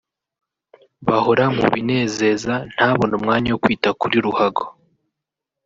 bahora mu binezeza ntabone umwanya wo kwita kuri ruhago